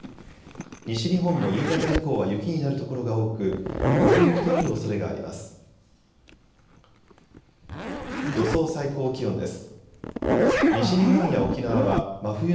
西日本も夕方以降は雪になる所が多く大雪となるおそれがあります。